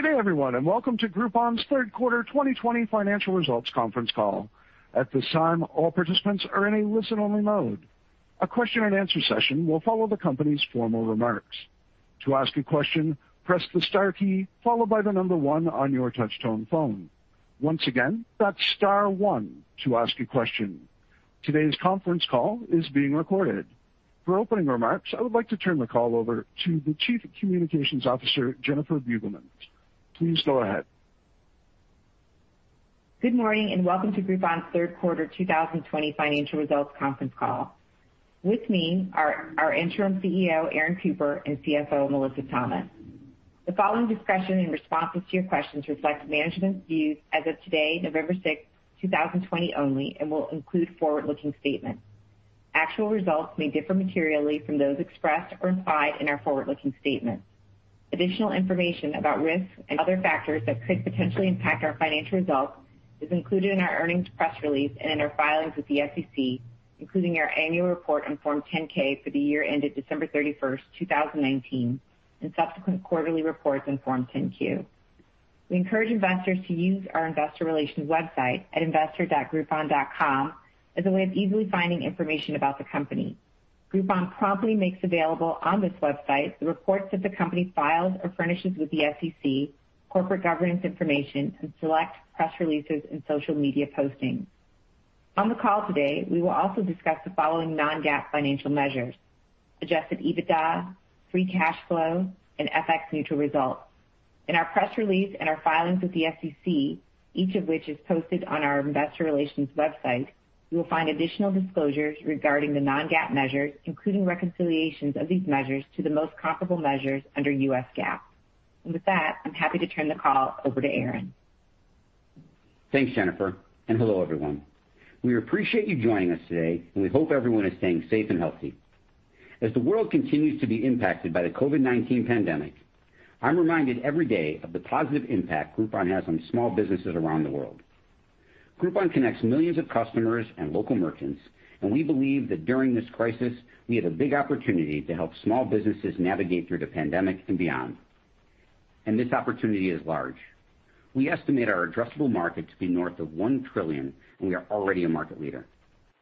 Good day, everyone, and welcome to Groupon's Third Quarter 2020 Financial Results Conference Call. At this time, all participants are in a listen-only mode. A question-and-answer session will follow the company's formal remarks. To ask a question, press the star key, followed by the number one on your touch-tone phone. Once again, that's star one to ask a question. Today's conference call is being recorded. For opening remarks, I would like to turn the call over to the Chief Communications Officer, Jennifer Beugelmans. Please go ahead. Good morning and welcome to Groupon's Third Quarter 2020 Financial Results Conference Call. With me are our interim CEO, Aaron Cooper, and CFO, Melissa Thomas. The following discussion and responses to your questions reflect management's views as of today, November 6, 2020 only, and will include forward-looking statements. Actual results may differ materially from those expressed or implied in our forward-looking statements. Additional information about risks and other factors that could potentially impact our financial results is included in our earnings press release and in our filings with the SEC, including our annual report on Form 10-K for the year ended December 31, 2019, and subsequent quarterly reports on Form 10-Q. We encourage investors to use our investor relations website at investor.groupon.com as a way of easily finding information about the company. Groupon promptly makes available on this website the reports that the company files or furnishes with the SEC, corporate governance information, and select press releases and social media postings. On the call today, we will also discuss the following non-GAAP financial measures: adjusted EBITDA, free cash flow, and FX neutral results. In our press release and our filings with the SEC, each of which is posted on our investor relations website, you will find additional disclosures regarding the non-GAAP measures, including reconciliations of these measures to the most comparable measures under U.S. GAAP. And with that, I'm happy to turn the call over to Aaron. Thanks, Jennifer. And hello, everyone. We appreciate you joining us today, and we hope everyone is staying safe and healthy. As the world continues to be impacted by the COVID-19 pandemic, I'm reminded every day of the positive impact Groupon has on small businesses around the world. Groupon connects millions of customers and Local merchants, and we believe that during this crisis, we have a big opportunity to help small businesses navigate through the pandemic and beyond, and this opportunity is large. We estimate our addressable market to be north of one trillion, and we are already a market leader.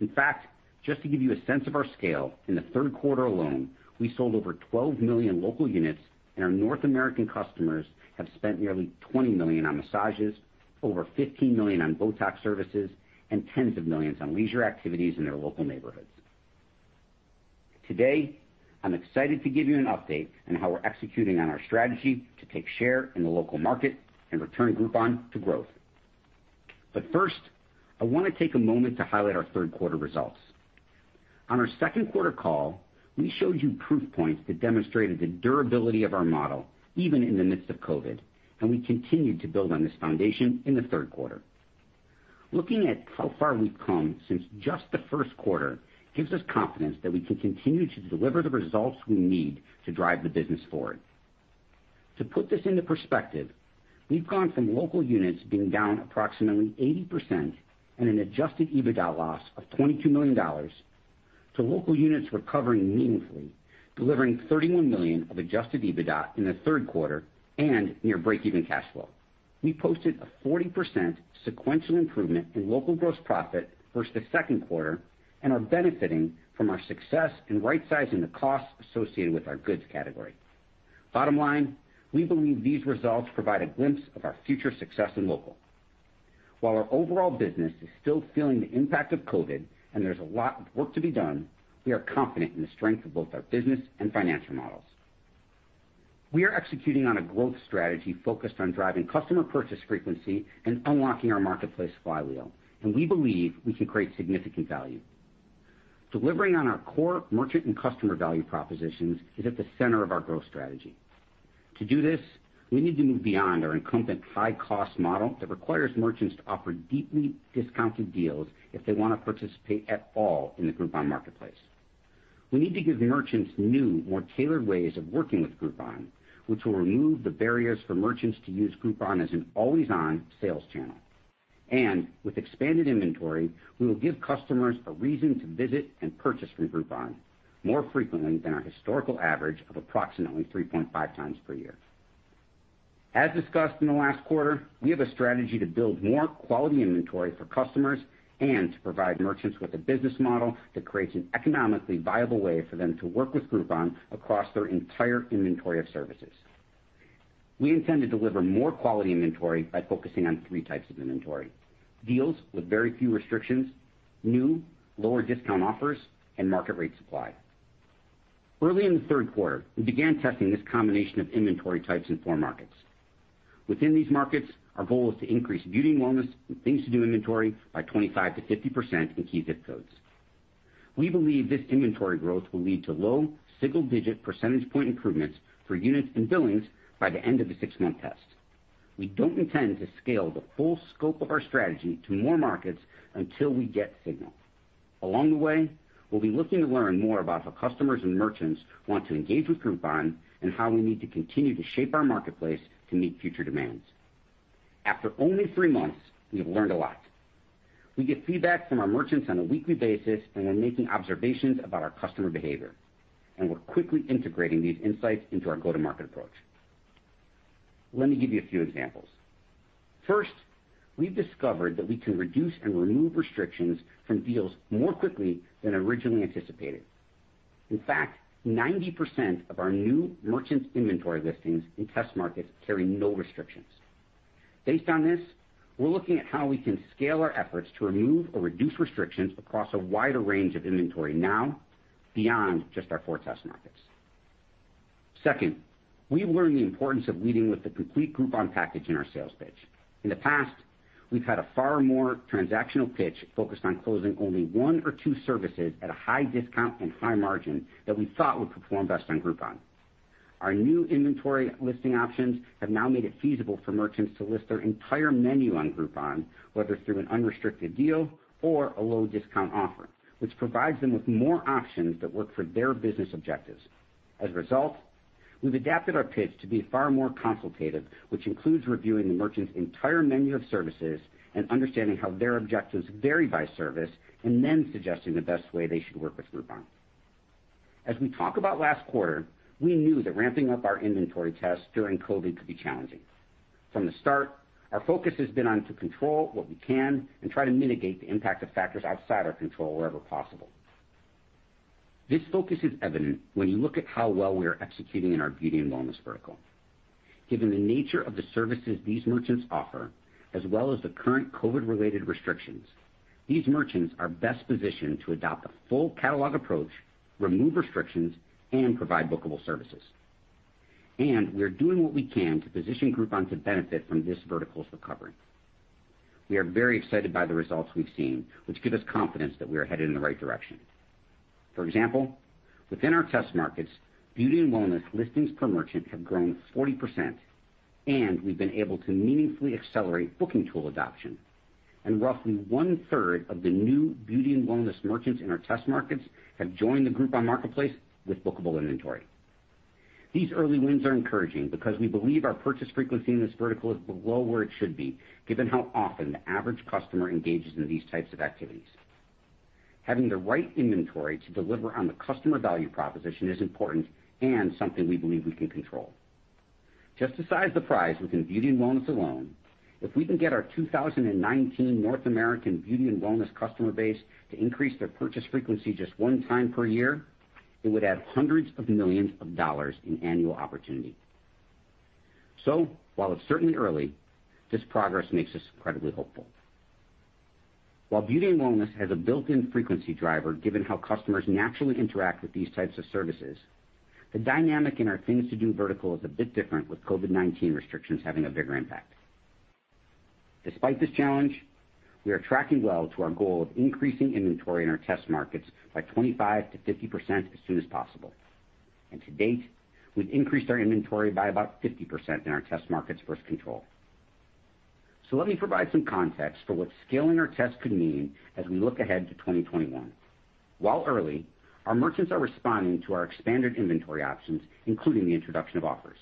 In fact, just to give you a sense of our scale, in the third quarter alone, we sold over 12 million local units, and our North American customers have spent nearly $20 million on massages, over $15 million on Botox services, and tens of millions on leisure activities in their local neighborhoods. Today, I'm excited to give you an update on how we're executing on our strategy to take share in the local market and return Groupon to growth. But first, I want to take a moment to highlight our third quarter results. On our second quarter call, we showed you proof points that demonstrated the durability of our model, even in the midst of COVID, and we continued to build on this foundation in the third quarter. Looking at how far we've come since just the first quarter gives us confidence that we can continue to deliver the results we need to drive the business forward. To put this into perspective, we've gone from local units being down approximately 80% and an Adjusted EBITDA loss of $22 million to local units recovering meaningfully, delivering $31 million of Adjusted EBITDA in the third quarter and near break-even cash flow. We posted a 40% sequential improvement in local gross profit versus the second quarter and are benefiting from our success in right-sizing the costs associated with our Goods category. Bottom line, we believe these results provide a glimpse of our future success in local. While our overall business is still feeling the impact of COVID and there's a lot of work to be done, we are confident in the strength of both our business and financial models. We are executing on a growth strategy focused on driving customer purchase frequency and unlocking our Marketplace Flywheel, and we believe we can create significant value. Delivering on our core merchant and customer value propositions is at the center of our growth strategy. To do this, we need to move beyond our incumbent high-cost model that requires merchants to offer deeply discounted deals if they want to participate at all in the Groupon marketplace. We need to give merchants new, more tailored ways of working with Groupon, which will remove the barriers for merchants to use Groupon as an always-on sales channel. And with expanded inventory, we will give customers a reason to visit and purchase from Groupon more frequently than our historical average of approximately 3.5 times per year. As discussed in the last quarter, we have a strategy to build more quality inventory for customers and to provide merchants with a business model that creates an economically viable way for them to work with Groupon across their entire inventory of services. We intend to deliver more quality inventory by focusing on three types of inventory: deals with very few restrictions, new, lower discount offers, and market rate supply. Early in the third quarter, we began testing this combination of inventory types in four markets. Within these markets, our goal is to increase Beauty and Wellness and Things to Do inventory by 25%–50% in key zip codes. We believe this inventory growth will lead to low single-digit percentage point improvements for units and billings by the end of the six-month test. We don't intend to scale the full scope of our strategy to more markets until we get signal. Along the way, we'll be looking to learn more about how customers and merchants want to engage with Groupon and how we need to continue to shape our marketplace to meet future demands. After only three months, we have learned a lot. We get feedback from our merchants on a weekly basis and are making observations about our customer behavior, and we're quickly integrating these insights into our go-to-market approach. Let me give you a few examples. First, we've discovered that we can reduce and remove restrictions from deals more quickly than originally anticipated. In fact, 90% of our new merchant inventory listings in test markets carry no restrictions. Based on this, we're looking at how we can scale our efforts to remove or reduce restrictions across a wider range of inventory now beyond just our four test markets. Second, we've learned the importance of leading with the complete Groupon package in our sales pitch. In the past, we've had a far more transactional pitch focused on closing only one or two services at a high discount and high margin that we thought would perform best on Groupon. Our new inventory listing options have now made it feasible for merchants to list their entire menu on Groupon, whether through an unrestricted deal or a low discount offer, which provides them with more options that work for their business objectives. As a result, we've adapted our pitch to be far more consultative, which includes reviewing the merchant's entire menu of services and understanding how their objectives vary by service, and then suggesting the best way they should work with Groupon. As we talk about last quarter, we knew that ramping up our inventory tests during COVID could be challenging. From the start, our focus has been on to control what we can and try to mitigate the impact of factors outside our control wherever possible. This focus is evident when you look at how well we are executing in our Beauty and Wellness vertical. Given the nature of the services these merchants offer, as well as the current COVID-related restrictions, these merchants are best positioned to adopt a full catalog approach, remove restrictions, and provide bookable services. And we are doing what we can to position Groupon to benefit from this vertical's recovery. We are very excited by the results we've seen, which give us confidence that we are headed in the right direction. For example, within our test markets, Beauty and Wellness listings per merchant have grown 40%, and we've been able to meaningfully accelerate booking tool adoption. And roughly one-third of the new Beauty and Wellness merchants in our test markets have joined the Groupon marketplace with bookable inventory. These early wins are encouraging because we believe our purchase frequency in this vertical is below where it should be, given how often the average customer engages in these types of activities. Having the right inventory to deliver on the customer value proposition is important and something we believe we can control. Just to size the prize within Beauty and Wellness alone, if we can get our 2019 North American Beauty and Wellness customer base to increase their purchase frequency just one time per year, it would add hundreds of millions of dollars in annual opportunity. So while it's certainly early, this progress makes us incredibly hopeful. While Beauty and Wellness has a built-in frequency driver given how customers naturally interact with these types of services, the dynamic in our Things to Do vertical is a bit different with COVID-19 restrictions having a bigger impact. Despite this challenge, we are tracking well to our goal of increasing inventory in our test markets by 25%-50% as soon as possible. And to date, we've increased our inventory by about 50% in our test markets versus control. So let me provide some context for what scaling our tests could mean as we look ahead to 2021. While early, our merchants are responding to our expanded inventory options, including the introduction of offers.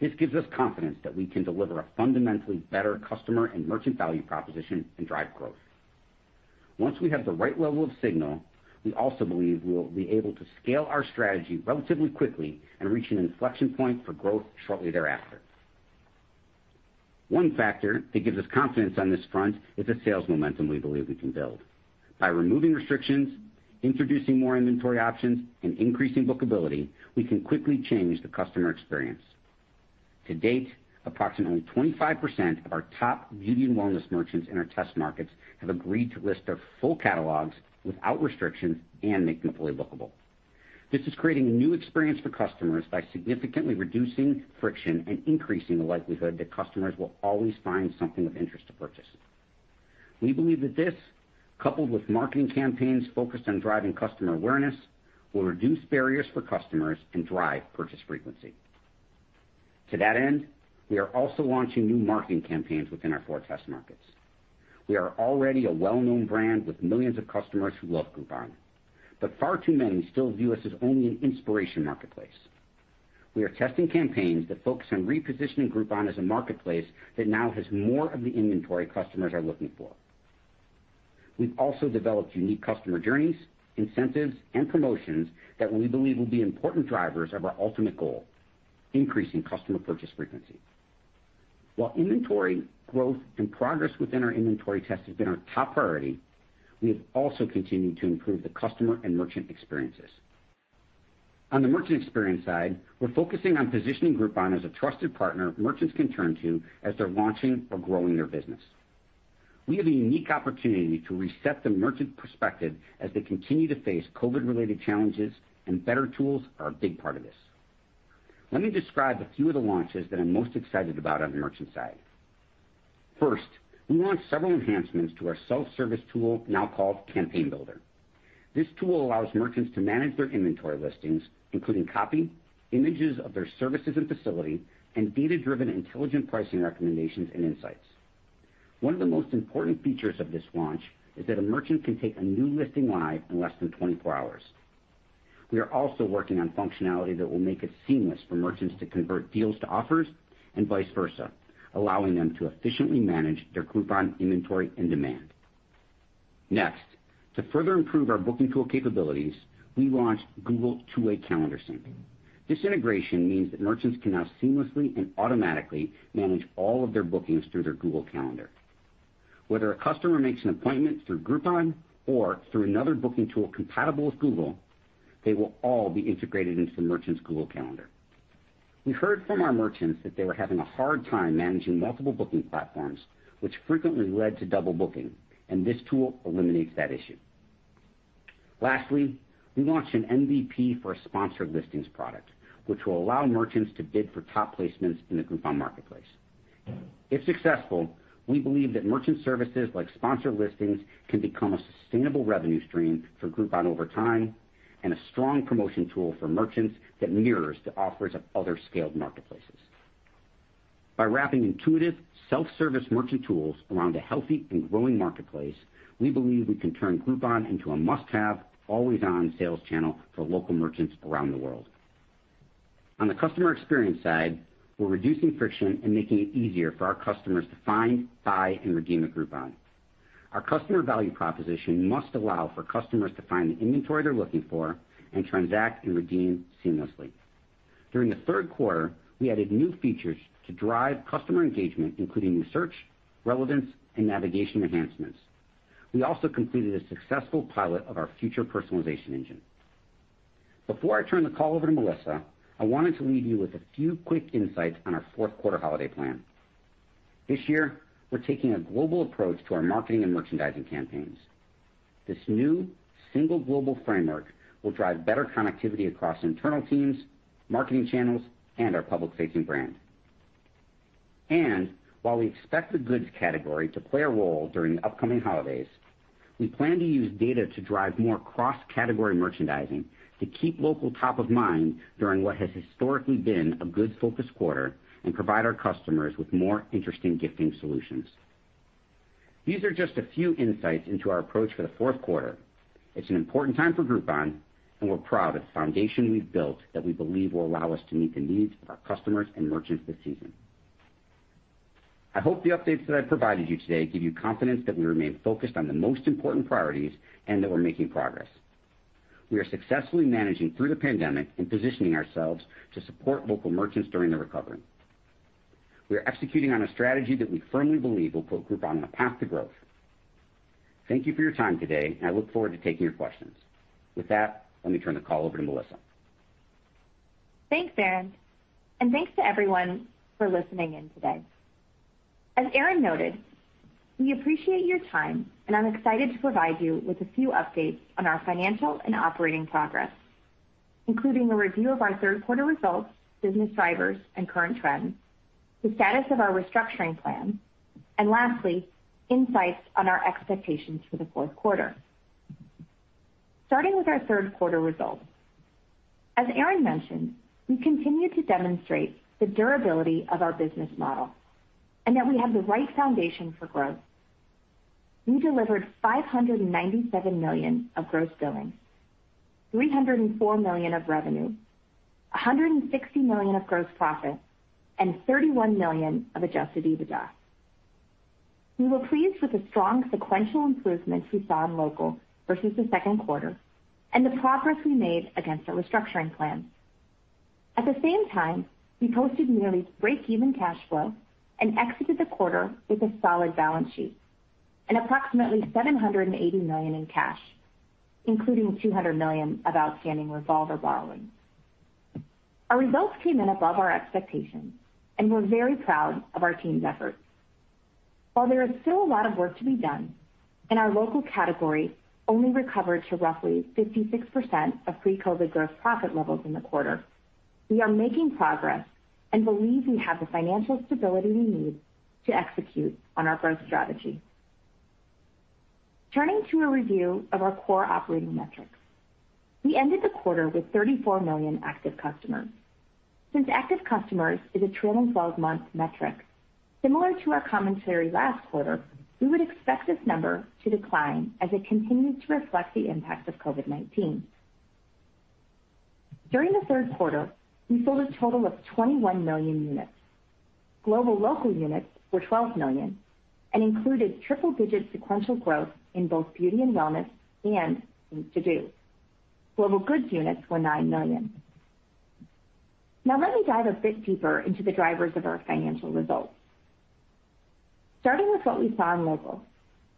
This gives us confidence that we can deliver a fundamentally better customer and merchant value proposition and drive growth. Once we have the right level of signal, we also believe we will be able to scale our strategy relatively quickly and reach an inflection point for growth shortly thereafter. One factor that gives us confidence on this front is the sales momentum we believe we can build. By removing restrictions, introducing more inventory options, and increasing bookability, we can quickly change the customer experience. To date, approximately 25% of our top Beauty and Wellness merchants in our test markets have agreed to list their full catalogs without restrictions and make them fully bookable. This is creating a new experience for customers by significantly reducing friction and increasing the likelihood that customers will always find something of interest to purchase. We believe that this, coupled with marketing campaigns focused on driving customer awareness, will reduce barriers for customers and drive purchase frequency. To that end, we are also launching new marketing campaigns within our four test markets. We are already a well-known brand with millions of customers who love Groupon, but far too many still view us as only an inspiration marketplace. We are testing campaigns that focus on repositioning Groupon as a marketplace that now has more of the inventory customers are looking for. We've also developed unique customer journeys, incentives, and promotions that we believe will be important drivers of our ultimate goal: increasing customer purchase frequency. While inventory growth and progress within our inventory tests have been our top priority, we have also continued to improve the customer and merchant experiences. On the merchant experience side, we're focusing on positioning Groupon as a trusted partner merchants can turn to as they're launching or growing their business. We have a unique opportunity to reset the merchant perspective as they continue to face COVID-related challenges, and better tools are a big part of this. Let me describe a few of the launches that I'm most excited about on the merchant side. First, we launched several enhancements to our self-service tool now called campaign builder. This tool allows merchants to manage their inventory listings, including copy, images of their services and facility, and data-driven intelligent pricing recommendations and insights. One of the most important features of this launch is that a merchant can take a new listing live in less than 24 hours. We are also working on functionality that will make it seamless for merchants to convert deals to offers and vice versa, allowing them to efficiently manage their Groupon inventory and demand. Next, to further improve our booking tool capabilities, we launched Google 2-way calendar sync. This integration means that merchants can now seamlessly and automatically manage all of their bookings through their Google Calendar. Whether a customer makes an appointment through Groupon or through another booking tool compatible with Google, they will all be integrated into the merchant's Google Calendar. We heard from our merchants that they were having a hard time managing multiple booking platforms, which frequently led to double booking, and this tool eliminates that issue. Lastly, we launched an MVP for a Sponsored Listings product, which will allow merchants to bid for top placements in the Groupon marketplace. If successful, we believe that merchant services like Sponsored Listings can become a sustainable revenue stream for Groupon over time and a strong promotion tool for merchants that mirrors the offers of other scaled marketplaces. By wrapping intuitive self-service merchant tools around a healthy and growing marketplace, we believe we can turn Groupon into a must-have, always-on sales channel for local merchants around the world. On the customer experience side, we're reducing friction and making it easier for our customers to find, buy, and redeem at Groupon. Our customer value proposition must allow for customers to find the inventory they're looking for and transact and redeem seamlessly. During the third quarter, we added new features to drive customer engagement, including new search, relevance, and navigation enhancements. We also completed a successful pilot of our future personalization engine. Before I turn the call over to Melissa, I wanted to leave you with a few quick insights on our fourth quarter holiday plan. This year, we're taking a global approach to our marketing and merchandising campaigns. This new single global framework will drive better connectivity across internal teams, marketing channels, and our public-facing brand. And while we expect the goods category to play a role during the upcoming holidays, we plan to use data to drive more cross-category merchandising to keep local top of mind during what has historically been a goods-focused quarter and provide our customers with more interesting gifting solutions. These are just a few insights into our approach for the fourth quarter. It's an important time for Groupon, and we're proud of the foundation we've built that we believe will allow us to meet the needs of our customers and merchants this season. I hope the updates that I've provided you today give you confidence that we remain focused on the most important priorities and that we're making progress. We are successfully managing through the pandemic and positioning ourselves to support local merchants during the recovery. We are executing on a strategy that we firmly believe will put Groupon on a path to growth. Thank you for your time today, and I look forward to taking your questions. With that, let me turn the call over to Melissa. Thanks, Aaron, and thanks to everyone for listening in today. As Aaron noted, we appreciate your time, and I'm excited to provide you with a few updates on our financial and operating progress, including a review of our third-quarter results, business drivers, and current trends, the status of our restructuring plan, and lastly, insights on our expectations for the fourth quarter. Starting with our third-quarter results. As Aaron mentioned, we continue to demonstrate the durability of our business model and that we have the right foundation for growth. We delivered $597 million of Gross Billings, $304 million of revenue, $160 million of gross profit, and $31 million of Adjusted EBITDA. We were pleased with the strong sequential improvements we saw in Local versus the second quarter and the progress we made against our restructuring plan. At the same time, we posted nearly break-even cash flow and exited the quarter with a solid balance sheet and approximately $780 million in cash, including $200 million of outstanding revolver borrowing. Our results came in above our expectations, and we're very proud of our team's efforts. While there is still a lot of work to be done and our local category only recovered to roughly 56% of pre-COVID gross profit levels in the quarter, we are making progress and believe we have the financial stability we need to execute on our growth strategy. Turning to a review of our core operating metrics, we ended the quarter with 34 million active customers. Since active customers is a trailing 12-month metric, similar to our commentary last quarter, we would expect this number to decline as it continues to reflect the impact of COVID-19. During the third quarter, we sold a total of 21 million units. Global local units were 12 million and included triple-digit sequential growth in both Beauty and Wellness and Things to Do. Global goods units were 9 million. Now let me dive a bit deeper into the drivers of our financial results. Starting with what we saw in local,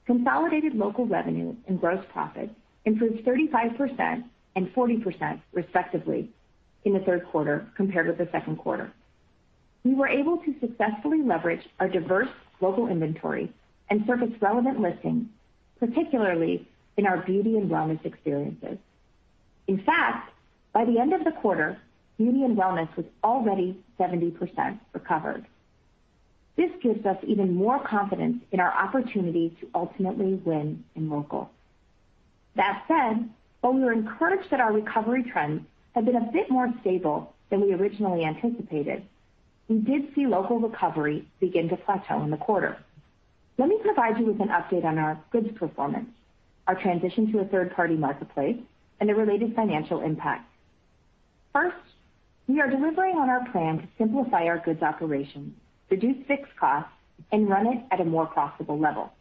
consolidated local revenue and gross profit improved 35% and 40% respectively in the third quarter compared with the second quarter. We were able to successfully leverage our diverse local inventory and surface relevant listings, particularly in our Beauty and Wellness experiences. In fact, by the end of the quarter, Beauty and Wellness was already 70% recovered. This gives us even more confidence in our opportunity to ultimately win in local. That said, while we were encouraged that our recovery trends had been a bit more stable than we originally anticipated, we did see local recovery begin to plateau in the quarter. Let me provide you with an update on our goods performance, our transition to a third-party marketplace, and the related financial impact. First, we are delivering on our plan to simplify our goods operations, reduce fixed costs, and run it at a more profitable level.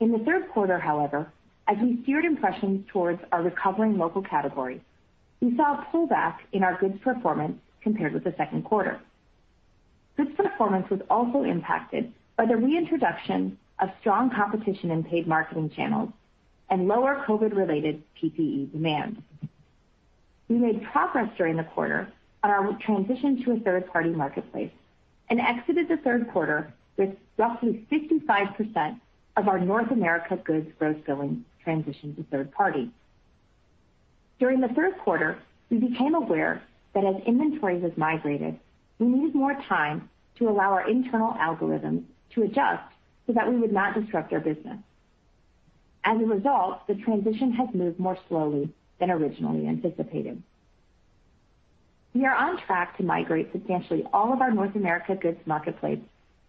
In the third quarter, however, as we steered impressions towards our recovering local category, we saw a pullback in our goods performance compared with the second quarter. Goods performance was also impacted by the reintroduction of strong competition in paid marketing channels and lower COVID-related PPE demand. We made progress during the quarter on our transition to a third-party marketplace and exited the third quarter with roughly 55% of our North America goods gross billings transitioned to third party. During the third quarter, we became aware that as inventory was migrated, we needed more time to allow our internal algorithms to adjust so that we would not disrupt our business. As a result, the transition has moved more slowly than originally anticipated. We are on track to migrate substantially all of our North America goods marketplace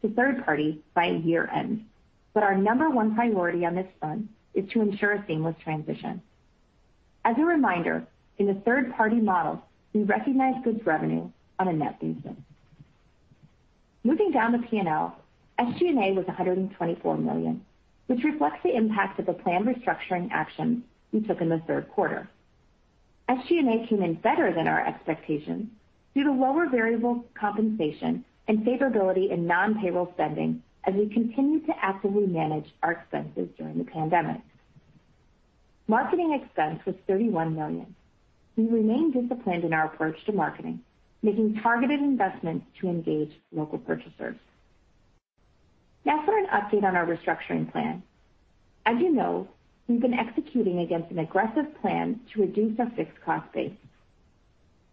to third party by year-end, but our number one priority on this front is to ensure a seamless transition. As a reminder, in the third-party model, we recognize goods revenue on a net basis. Moving down the P&L, SG&A was $124 million, which reflects the impact of the planned restructuring action we took in the third quarter. SG&A came in better than our expectations due to lower variable compensation and favorability in non-payroll spending as we continued to actively manage our expenses during the pandemic. Marketing expense was $31 million. We remained disciplined in our approach to marketing, making targeted investments to engage local purchasers. Now for an update on our restructuring plan. As you know, we've been executing against an aggressive plan to reduce our fixed cost base.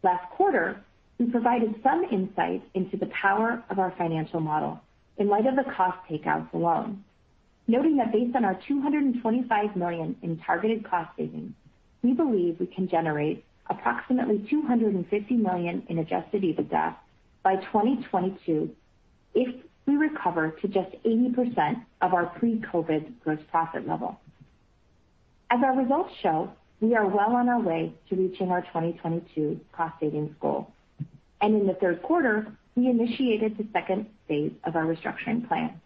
Last quarter, we provided some insight into the power of our financial model in light of the cost takeouts alone, noting that based on our $225 million in targeted cost savings, we believe we can generate approximately $250 million in Adjusted EBITDA by 2022 if we recover to just 80% of our pre-COVID gross profit level. As our results show, we are well on our way to reaching our 2022 cost savings goal. And in the third quarter, we initiated the second phase of our restructuring plan.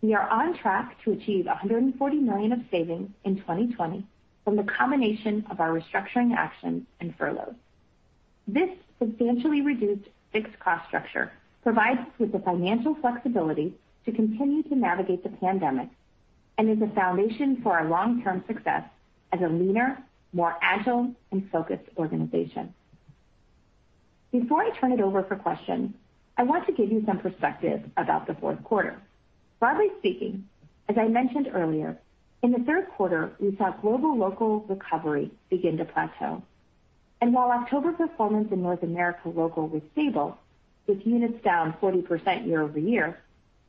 We are on track to achieve $140 million of savings in 2020 from the combination of our restructuring actions and furloughs. This substantially reduced fixed cost structure provides us with the financial flexibility to continue to navigate the pandemic and is a foundation for our long-term success as a leaner, more agile, and focused organization. Before I turn it over for questions, I want to give you some perspective about the fourth quarter. Broadly speaking, as I mentioned earlier, in the third quarter, we saw global local recovery begin to plateau. And while October performance in North America local was stable, with units down 40% year over year,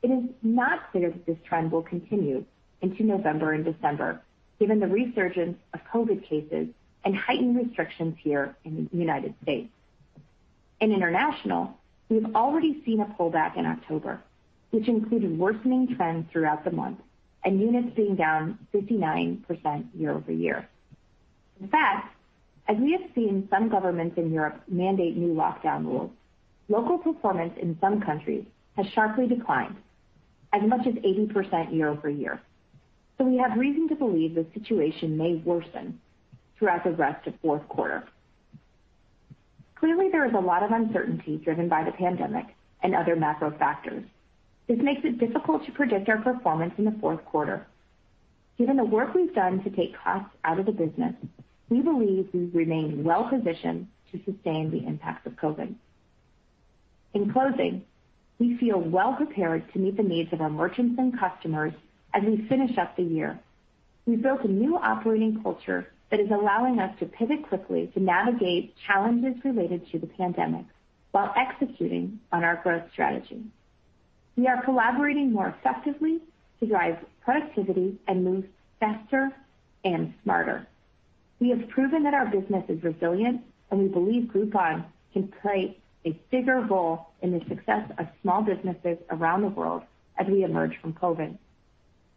it is not clear that this trend will continue into November and December, given the resurgence of COVID cases and heightened restrictions here in the United States. In international, we have already seen a pullback in October, which included worsening trends throughout the month and units being down 59% year over year. In fact, as we have seen some governments in Europe mandate new lockdown rules, local performance in some countries has sharply declined as much as 80% year over year. So we have reason to believe the situation may worsen throughout the rest of the fourth quarter. Clearly, there is a lot of uncertainty driven by the pandemic and other macro factors. This makes it difficult to predict our performance in the fourth quarter. Given the work we've done to take costs out of the business, we believe we remain well-positioned to sustain the impacts of COVID. In closing, we feel well-prepared to meet the needs of our merchants and customers as we finish up the year. We've built a new operating culture that is allowing us to pivot quickly to navigate challenges related to the pandemic while executing on our growth strategy. We are collaborating more effectively to drive productivity and move faster and smarter. We have proven that our business is resilient, and we believe Groupon can play a bigger role in the success of small businesses around the world as we emerge from COVID.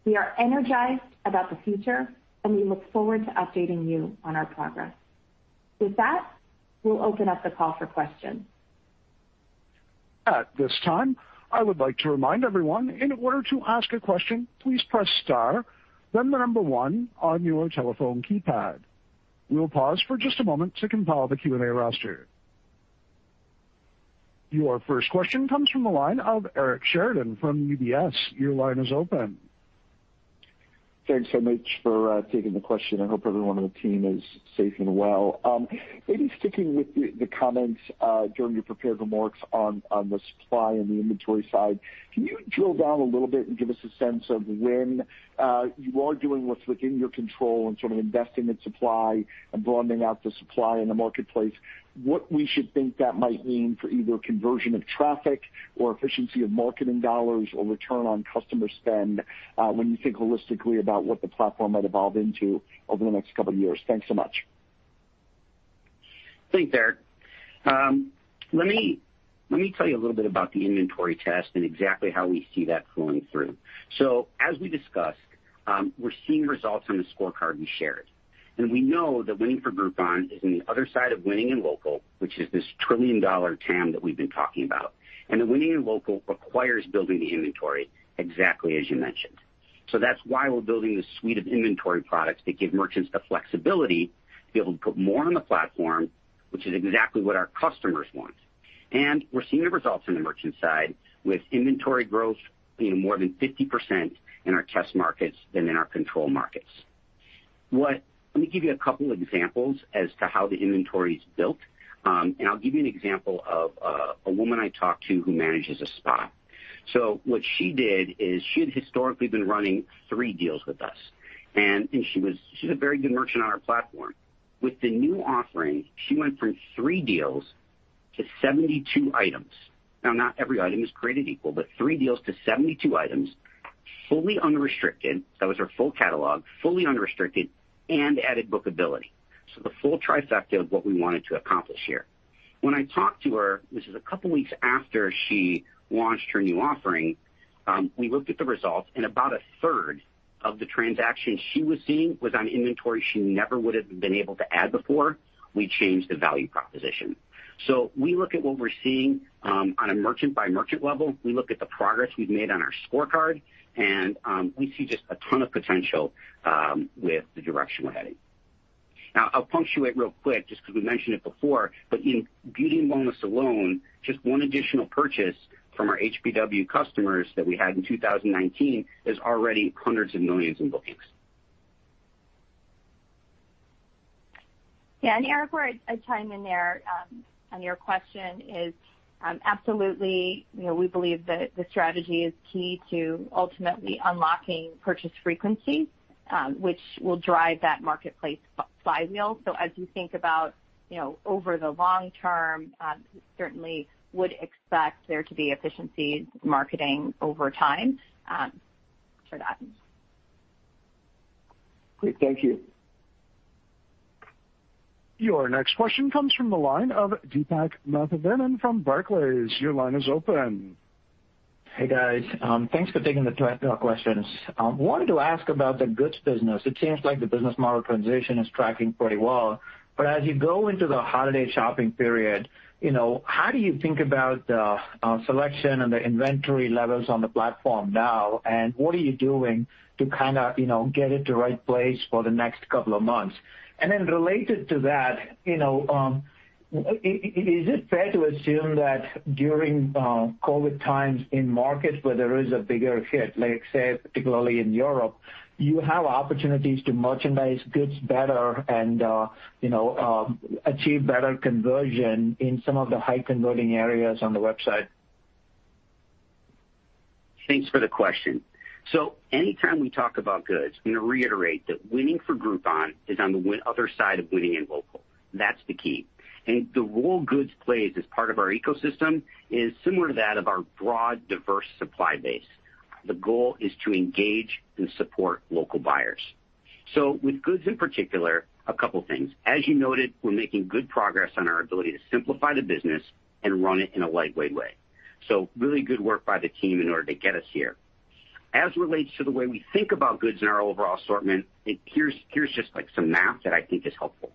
We are energized about the future, and we look forward to updating you on our progress. With that, we'll open up the call for questions. At this time, I would like to remind everyone, in order to ask a question, please press star, then the number one on your telephone keypad. We'll pause for just a moment to compile the Q&A roster. Your first question comes from the line of Eric Sheridan from UBS. Your line is open. Thanks so much for taking the question. I hope everyone on the team is safe and well. Maybe sticking with the comments during your prepared remarks on the supply and the inventory side, can you drill down a little bit and give us a sense of when you are doing what's within your control and sort of investing in supply and broadening out the supply in the marketplace, what we should think that might mean for either conversion of traffic or efficiency of marketing dollars or return on customer spend when you think holistically about what the platform might evolve into over the next couple of years? Thanks so much. Thanks, Eric. Let me tell you a little bit about the inventory test and exactly how we see that flowing through. So as we discussed, we're seeing results on the scorecard we shared. We know that winning for Groupon is on the other side of winning in local, which is this trillion-dollar TAM that we've been talking about. The winning in local requires building the inventory exactly as you mentioned. That's why we're building the suite of inventory products to give merchants the flexibility to be able to put more on the platform, which is exactly what our customers want. We're seeing the results on the merchant side with inventory growth more than 50% in our test markets than in our control markets. Let me give you a couple of examples as to how the inventory is built. I'll give you an example of a woman I talked to who manages a spa. What she did is she had historically been running three deals with us. She's a very good merchant on our platform. With the new offering, she went from three deals to 72 items. Now, not every item is created equal, but three deals to 72 items, fully unrestricted. That was her full catalog, fully unrestricted and added bookability. So the full trifecta of what we wanted to accomplish here. When I talked to her, this is a couple of weeks after she launched her new offering, we looked at the results, and about a third of the transactions she was seeing was on inventory she never would have been able to add before we changed the value proposition. So we look at what we're seeing on a merchant-by-merchant level. We look at the progress we've made on our scorecard, and we see just a ton of potential with the direction we're heading. Now, I'll punctuate real quick just because we mentioned it before, but in Beauty and Wellness alone, just one additional purchase from our HBW customers that we had in 2019 is already hundreds of millions in bookings. Yeah. And Eric, to chime in there on your question is absolutely we believe that the strategy is key to ultimately unlocking purchase frequency, which will drive that marketplace flywheel. So as you think about over the long term, certainly would expect there to be efficiencies in marketing over time for that. Great. Thank you. Your next question comes from the line of Deepak Mathivanan from Barclays. Your line is open. Hey, guys. Thanks for taking the time to ask questions. I wanted to ask about the goods business. It seems like the business model transition is tracking pretty well. But as you go into the holiday shopping period, how do you think about the selection and the inventory levels on the platform now? And what are you doing to kind of get it to the right place for the next couple of months? And then related to that, is it fair to assume that during COVID times in markets where there is a bigger hit, let's say, particularly in Europe, you have opportunities to merchandise goods better and achieve better conversion in some of the high-converting areas on the website? Thanks for the question. So anytime we talk about goods, I'm going to reiterate that winning for Groupon is on the other side of winning in local. That's the key. And the role goods plays as part of our ecosystem is similar to that of our broad, diverse supply base. The goal is to engage and support local buyers. So with goods in particular, a couple of things. As you noted, we're making good progress on our ability to simplify the business and run it in a lightweight way. So really good work by the team in order to get us here. As it relates to the way we think about goods in our overall assortment, here's just some math that I think is helpful.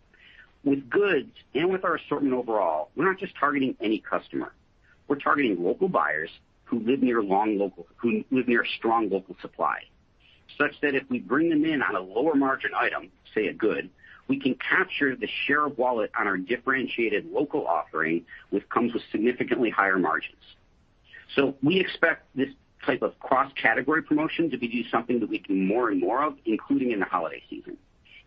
With goods and with our assortment overall, we're not just targeting any customer. We're targeting local buyers who live near strong local supply, such that if we bring them in on a lower margin item, say a good, we can capture the share of wallet on our differentiated local offering, which comes with significantly higher margins. So we expect this type of cross-category promotion to be something that we do more and more of, including in the holiday season.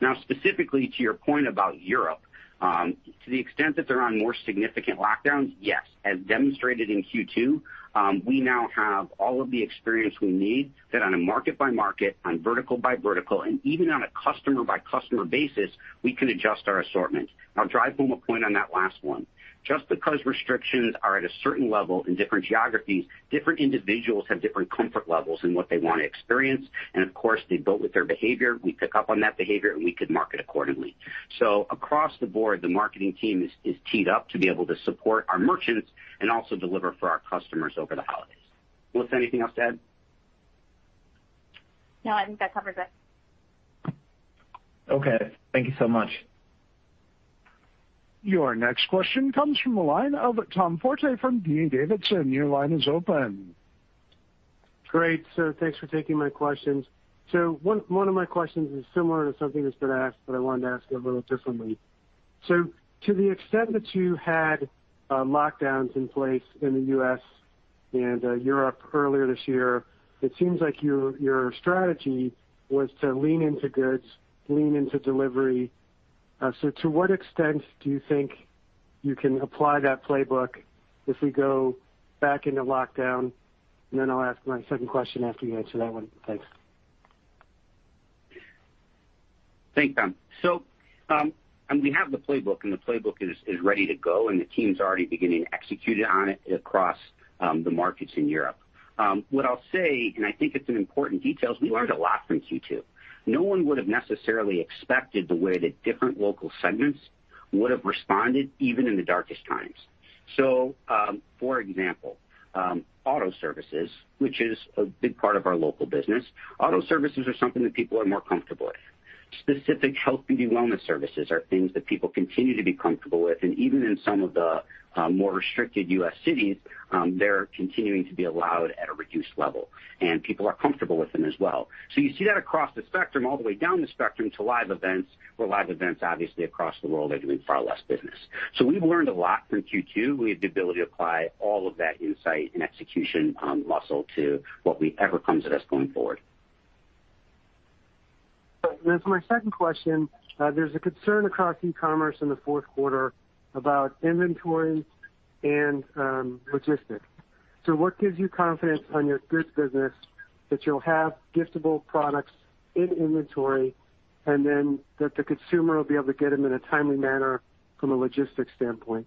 Now, specifically to your point about Europe, to the extent that they're on more significant lockdowns, yes. As demonstrated in Q2, we now have all of the experience we need that on a market-by-market, on vertical-by-vertical, and even on a customer-by-customer basis, we can adjust our assortment. I'll drive home a point on that last one. Just because restrictions are at a certain level in different geographies, different individuals have different comfort levels in what they want to experience. And of course, they vote with their behavior. We pick up on that behavior, and we could market accordingly. So across the board, the marketing team is teed up to be able to support our merchants and also deliver for our customers over the holidays. Is there anything else to add? No, I think that covers it. Okay. Thank you so much. Your next question comes from the line of Tom Forte from D.A. Davidson. Your line is open. Great. So thanks for taking my questions. So one of my questions is similar to something that's been asked, but I wanted to ask it a little differently. So to the extent that you had lockdowns in place in the U.S. and Europe earlier this year, it seems like your strategy was to lean into goods, lean into delivery. So to what extent do you think you can apply that playbook if we go back into lockdown? And then I'll ask my second question after you answer that one. Thanks. Thanks, Tom. So we have the playbook, and the playbook is ready to go, and the team's already beginning to execute on it across the markets in Europe. What I'll say, and I think it's an important detail, is we learned a lot from Q2. No one would have necessarily expected the way that different local segments would have responded, even in the darkest times. So for example, auto services, which is a big part of our local business, auto services are something that people are more comfortable with. Specific health, beauty, and wellness services are things that people continue to be comfortable with. And even in some of the more restricted U.S. cities, they're continuing to be allowed at a reduced level. And people are comfortable with them as well. So you see that across the spectrum, all the way down the spectrum to live events, where live events, obviously, across the world are doing far less business. So we've learned a lot from Q2. We have the ability to apply all of that insight and execution muscle to whatever comes at us going forward. So as my second question, there's a concern across e-commerce in the fourth quarter about inventory and logistics. So what gives you confidence on your goods business that you'll have giftable products in inventory and then that the consumer will be able to get them in a timely manner from a logistics standpoint?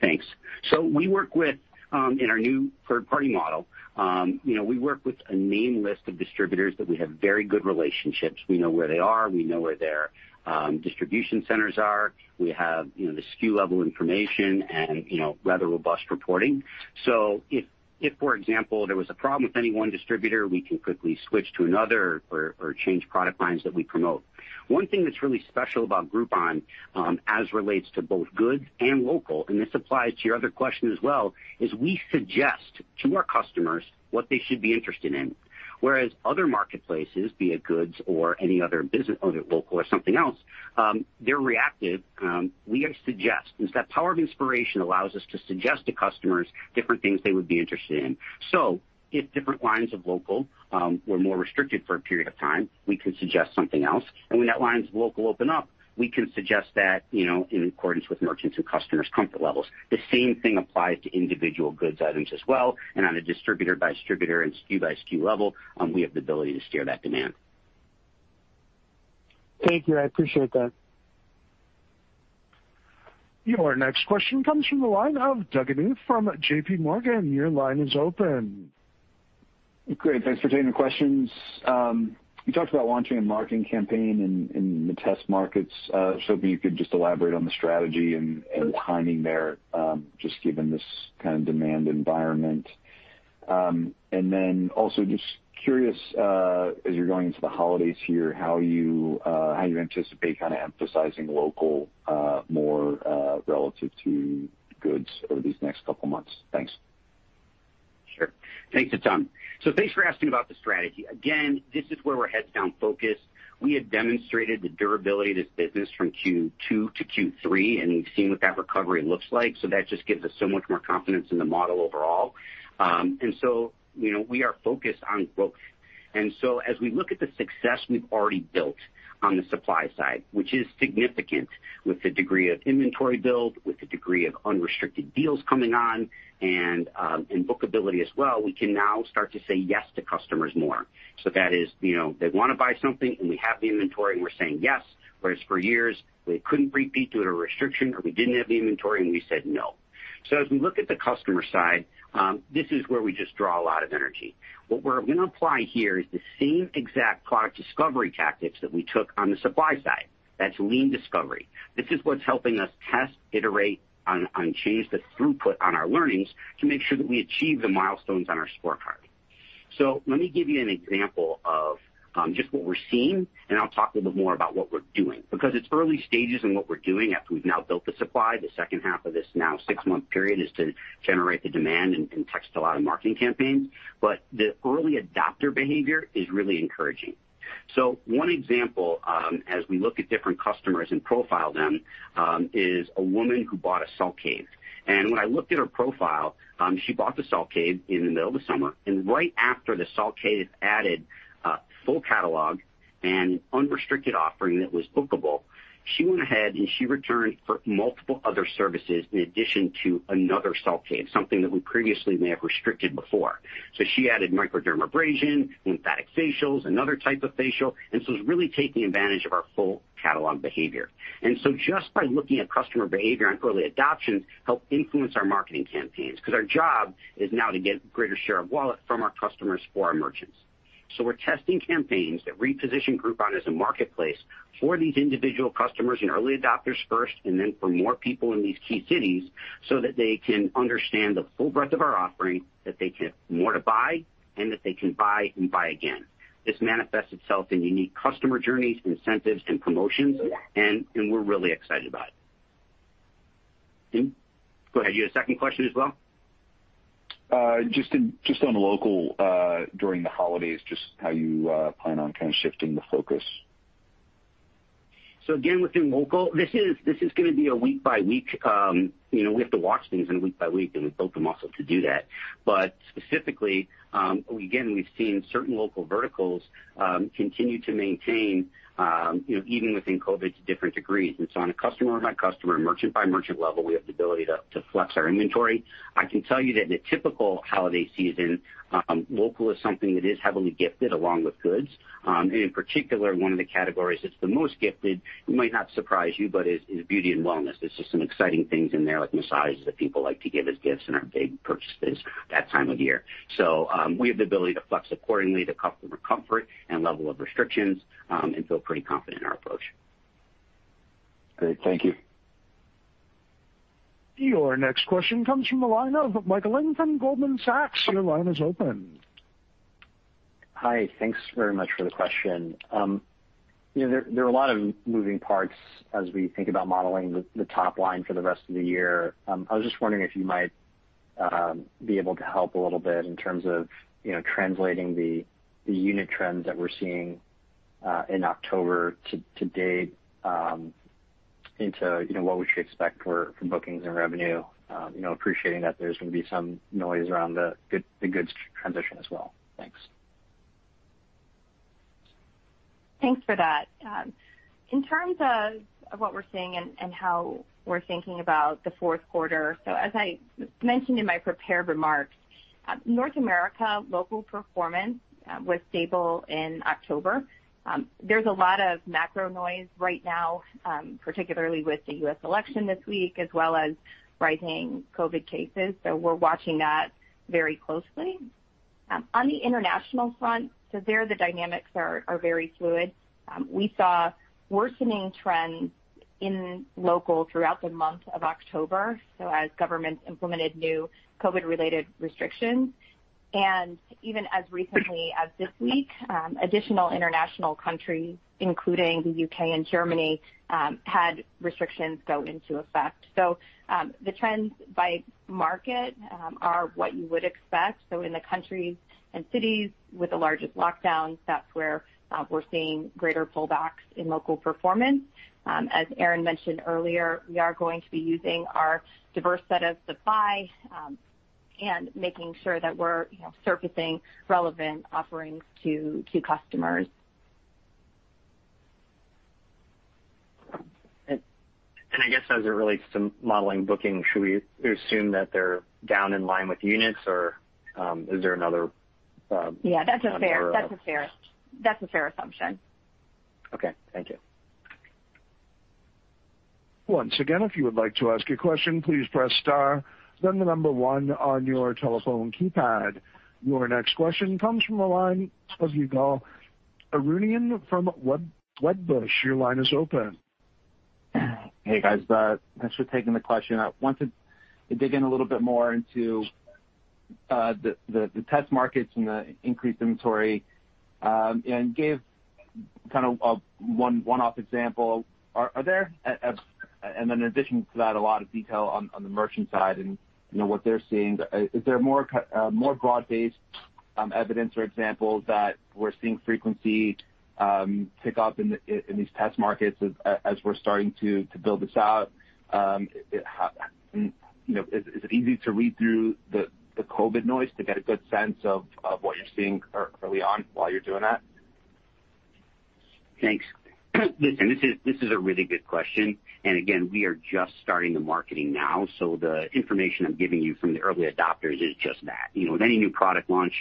Thanks. So we work with, in our new third-party model, we work with a name list of distributors that we have very good relationships. We know where they are. We know where their distribution centers are. We have the SKU level information and rather robust reporting. So if, for example, there was a problem with any one distributor, we can quickly switch to another or change product lines that we promote. One thing that's really special about Groupon as it relates to both goods and local, and this applies to your other question as well, is we suggest to our customers what they should be interested in. Whereas other marketplaces, be it goods or any other local or something else, they're reactive. We suggest, and that power of inspiration allows us to suggest to customers different things they would be interested in. So if different lines of local were more restricted for a period of time, we can suggest something else. And when that line of local opens up, we can suggest that in accordance with merchants and customers' comfort levels. The same thing applies to individual goods items as well. And on a distributor-by-distributor and SKU-by-SKU level, we have the ability to steer that demand. Thank you. I appreciate that. Your next question comes from the line of Doug Anmuth from JPMorgan. Your line is open. Great. Thanks for taking the questions. You talked about launching a marketing campaign in the test markets. So maybe you could just elaborate on the strategy and timing there, just given this kind of demand environment. And then also just curious, as you're going into the holidays here, how you anticipate kind of emphasizing local more relative to goods over these next couple of months. Thanks. Sure. Thanks, Tom. So thanks for asking about the strategy. Again, this is where we're heads-down focused. We had demonstrated the durability of this business from Q2 to Q3, and we've seen what that recovery looks like. So that just gives us so much more confidence in the model overall. And so we are focused on growth. And so as we look at the success we've already built on the supply side, which is significant with the degree of inventory built, with the degree of unrestricted deals coming on, and bookability as well, we can now start to say yes to customers more. So that is, they want to buy something, and we have the inventory, and we're saying yes, whereas for years we couldn't repeat due to restriction or we didn't have the inventory, and we said no. So as we look at the customer side, this is where we just draw a lot of energy. What we're going to apply here is the same exact product discovery tactics that we took on the supply side. That's lean discovery. This is what's helping us test, iterate, and change the throughput on our learnings to make sure that we achieve the milestones on our scorecard. So let me give you an example of just what we're seeing, and I'll talk a little bit more about what we're doing. Because it's early stages in what we're doing after we've now built the supply, the second half of this now six-month period is to generate the demand and test a lot of marketing campaigns. But the early adopter behavior is really encouraging. So one example, as we look at different customers and profile them, is a woman who bought a salt cave. And when I looked at her profile, she bought the salt cave in the middle of the summer. And right after the salt cave added full catalog and unrestricted offering that was bookable, she went ahead and she returned for multiple other services in addition to another salt cave, something that we previously may have restricted before. So she added microdermabrasion, lymphatic facials, another type of facial, and so it's really taking advantage of our full catalog behavior. And so just by looking at customer behavior and early adoption helped influence our marketing campaigns. Because our job is now to get a greater share of wallet from our customers for our merchants. So we're testing campaigns that reposition Groupon as a marketplace for these individual customers and early adopters first, and then for more people in these key cities so that they can understand the full breadth of our offering, that they can have more to buy, and that they can buy and buy again. This manifests itself in unique customer journeys, incentives, and promotions, and we're really excited about it. Go ahead. You had a second question as well? Just on local during the holidays, just how you plan on kind of shifting the focus? So again, within local, this is going to be a week-by-week. We have to watch things in a week-by-week, and we built the muscle to do that. But specifically, again, we've seen certain local verticals continue to maintain, even within COVID, to different degrees. And so on a customer-by-customer, merchant-by-merchant level, we have the ability to flex our inventory. I can tell you that in a typical holiday season, local is something that is heavily gifted along with goods. And in particular, one of the categories that's the most gifted, it might not surprise you, but is Beauty and Wellness. There's just some exciting things in there, like massages that people like to give as gifts in our big purchases that time of year. So we have the ability to flex accordingly to customer comfort and level of restrictions and feel pretty confident in our approach. Great. Thank you. Your next question comes from the line of Michael Ng from Goldman Sachs. Your line is open. Hi. Thanks very much for the question. There are a lot of moving parts as we think about modeling the top line for the rest of the year. I was just wondering if you might be able to help a little bit in terms of translating the unit trends that we're seeing in October to date into what we should expect for bookings and revenue, appreciating that there's going to be some noise around the goods transition as well. Thanks. Thanks for that. In terms of what we're seeing and how we're thinking about the fourth quarter, so as I mentioned in my prepared remarks, North America's local performance was stable in October. There's a lot of macro noise right now, particularly with the U.S. election this week, as well as rising COVID cases, so we're watching that very closely. On the international front, so there, the dynamics are very fluid. We saw worsening trends in local throughout the month of October, so as governments implemented new COVID-related restrictions, and even as recently as this week, additional international countries, including the U.K. and Germany, had restrictions go into effect, so the trends by market are what you would expect, so in the countries and cities with the largest lockdowns, that's where we're seeing greater pullbacks in local performance. As Aaron mentioned earlier, we are going to be using our diverse set of supply and making sure that we're surfacing relevant offerings to customers. And I guess as it relates to modeling booking, should we assume that they're down in line with units, or is there another? Yeah, that's a fair assumption. Okay. Thank you. Once again, if you would like to ask a question, please press star, then the number one on your telephone keypad. Your next question comes from the line of Arounian from Wedbush. Your line is open. Hey, guys. Thanks for taking the question. I wanted to dig in a little bit more into the test markets and the increased inventory and gave kind of a one-off example. Are there, and then in addition to that, a lot of detail on the merchant side and what they're seeing? Is there more broad-based evidence or examples that we're seeing frequency pick up in these test markets as we're starting to build this out? Is it easy to read through the COVID noise to get a good sense of what you're seeing early on while you're doing that? Thanks. Listen, this is a really good question. And again, we are just starting the marketing now. So the information I'm giving you from the early adopters is just that. With any new product launch,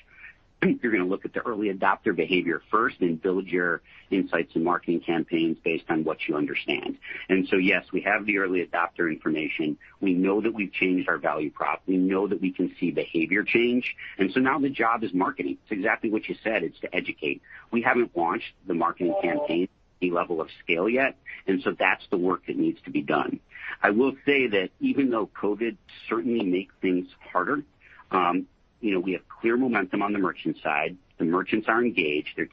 you're going to look at the early adopter behavior first and build your insights and marketing campaigns based on what you understand. And so yes, we have the early adopter information. We know that we've changed our value prop. We know that we can see behavior change. And so now the job is marketing. It's exactly what you said. It's to educate. We haven't launched the marketing campaign at any level of scale yet, and so that's the work that needs to be done. I will say that even though COVID certainly makes things harder, we have clear momentum on the merchant side. The merchants are engaged. They're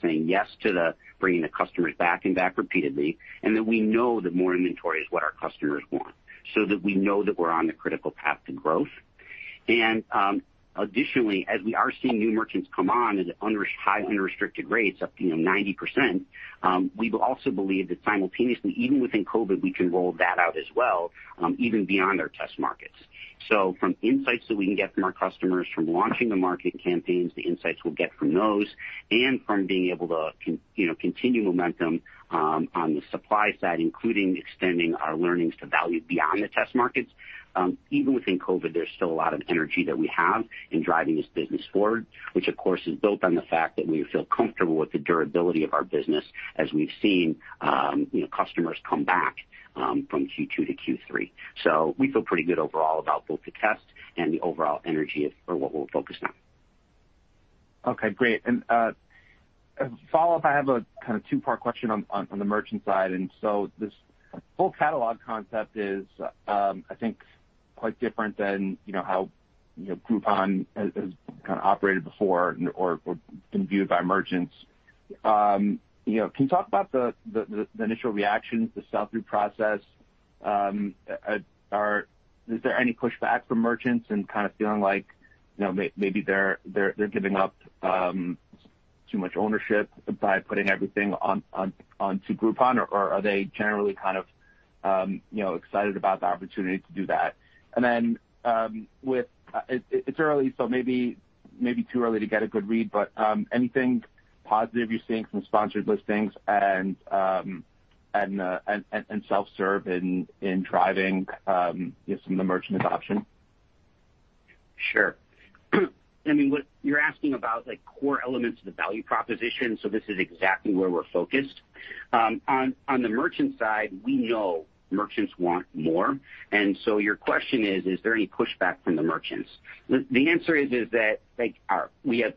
saying yes to bringing the customers back and back repeatedly, and that we know that more inventory is what our customers want. So that we know that we're on the critical path to growth. And additionally, as we are seeing new merchants come on at high unrestricted rates up to 90%, we also believe that simultaneously, even within COVID, we can roll that out as well, even beyond our test markets. So from insights that we can get from our customers, from launching the marketing campaigns, the insights we'll get from those, and from being able to continue momentum on the supply side, including extending our learnings to value beyond the test markets. Even within COVID, there's still a lot of energy that we have in driving this business forward, which of course is built on the fact that we feel comfortable with the durability of our business as we've seen customers come back from Q2 to Q3. So we feel pretty good overall about both the test and the overall energy of what we're focused on. Okay. Great, and follow-up, I have a kind of two-part question on the merchant side, and so this full catalog concept is, I think, quite different than how Groupon has kind of operated before or been viewed by merchants. Can you talk about the initial reactions, the sell-through process? Is there any pushback from merchants and kind of feeling like maybe they're giving up too much ownership by putting everything onto Groupon, or are they generally kind of excited about the opportunity to do that? And then it's early, so maybe too early to get a good read, but anything positive you're seeing from sponsored listings and self-serve in driving some of the merchant adoption? Sure. I mean, what you're asking about, core elements of the value proposition, so this is exactly where we're focused. On the merchant side, we know merchants want more. And so your question is, is there any pushback from the merchants? The answer is that we have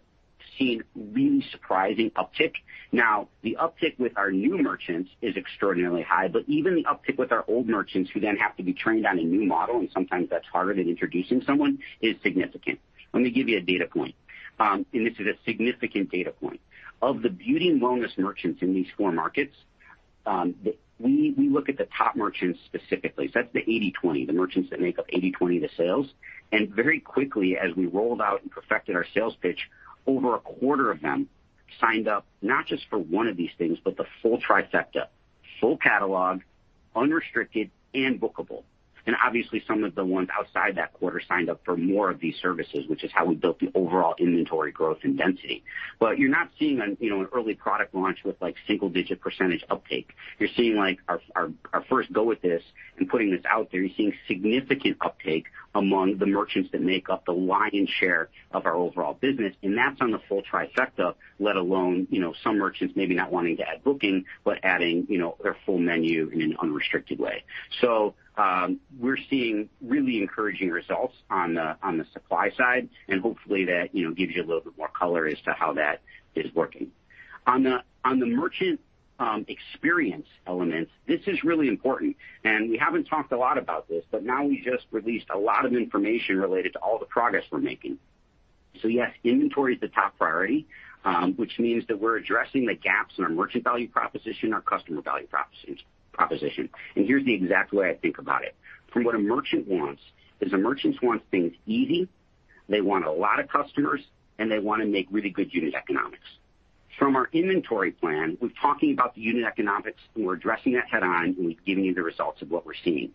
seen really surprising uptick. Now, the uptick with our new merchants is extraordinarily high, but even the uptick with our old merchants, who then have to be trained on a new model, and sometimes that's harder than introducing someone, is significant. Let me give you a data point. And this is a significant data point. Of the Beauty and Wellness merchants in these four markets, we look at the top merchants specifically. So that's the 80/20, the merchants that make up 80/20 of the sales. And very quickly, as we rolled out and perfected our sales pitch, over a quarter of them signed up not just for one of these things, but the full trifecta: full catalog, unrestricted, and bookable. And obviously, some of the ones outside that quarter signed up for more of these services, which is how we built the overall inventory growth and density. But you're not seeing an early product launch with single-digit percentage uptake. You're seeing our first go at this and putting this out there, you're seeing significant uptake among the merchants that make up the lion's share of our overall business. And that's on the full trifecta, let alone some merchants maybe not wanting to add booking, but adding their full menu in an unrestricted way. So we're seeing really encouraging results on the supply side, and hopefully that gives you a little bit more color as to how that is working. On the merchant experience element, this is really important. And we haven't talked a lot about this, but now we just released a lot of information related to all the progress we're making. So yes, inventory is the top priority, which means that we're addressing the gaps in our merchant value proposition, our customer value proposition. And here's the exact way I think about it. From what a merchant wants, is a merchant wants things easy, they want a lot of customers, and they want to make really good unit economics. From our inventory plan, we're talking about the unit economics, and we're addressing that head-on, and we've given you the results of what we're seeing.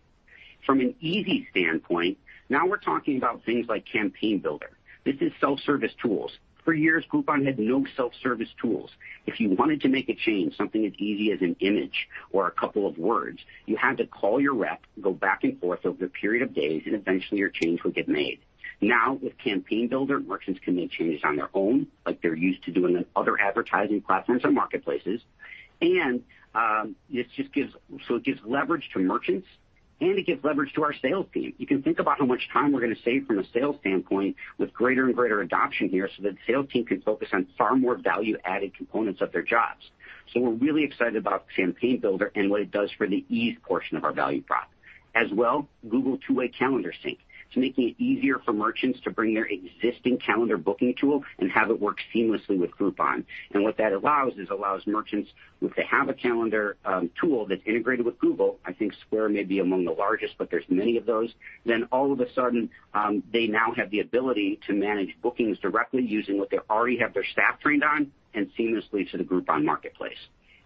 From an easy standpoint, now we're talking about things like Campaign Builder. This is self-service tools. For years, Groupon had no self-service tools. If you wanted to make a change, something as easy as an image or a couple of words, you had to call your rep, go back and forth over a period of days, and eventually your change would get made. Now, with Campaign Builder, merchants can make changes on their own, like they're used to doing on other advertising platforms and marketplaces. And this just gives leverage to merchants, and it gives leverage to our sales team. You can think about how much time we're going to save from a sales standpoint with greater and greater adoption here so that the sales team can focus on far more value-added components of their jobs. We're really excited about Campaign Builder and what it does for the ease portion of our value prop. As well, Google 2-way calendar sync. It's making it easier for merchants to bring their existing calendar booking tool and have it work seamlessly with Groupon. And what that allows is it allows merchants, if they have a calendar tool that's integrated with Google, I think Square may be among the largest, but there's many of those, then all of a sudden, they now have the ability to manage bookings directly using what they already have their staff trained on and seamlessly to the Groupon Marketplace.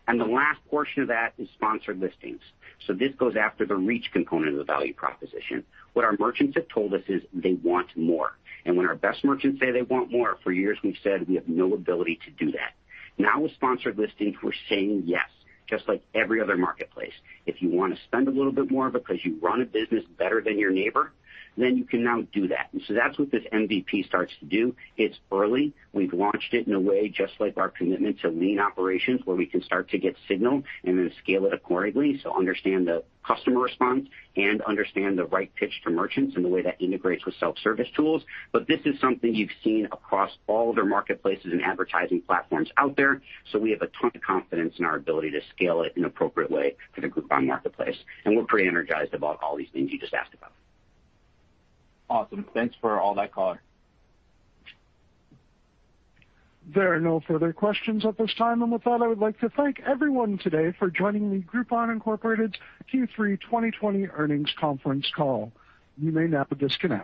And the last portion of that is Sponsored Listings. So this goes after the reach component of the value proposition. What our merchants have told us is they want more. And when our best merchants say they want more, for years we've said we have no ability to do that. Now with sponsored listings, we're saying yes, just like every other marketplace. If you want to spend a little bit more because you run a business better than your neighbor, then you can now do that. And so that's what this MVP starts to do. It's early. We've launched it in a way just like our commitment to lean operations, where we can start to get signal and then scale it accordingly. So understand the customer response and understand the right pitch to merchants and the way that integrates with self-service tools. But this is something you've seen across all of their marketplaces and advertising platforms out there. So we have a ton of confidence in our ability to scale it in an appropriate way for the Groupon Marketplace. We're pretty energized about all these things you just asked about. Awesome. Thanks for all that, Aaron. There are no further questions at this time. With that, I would like to thank everyone today for joining the Groupon Incorporated Q3 2020 earnings conference call. You may now disconnect.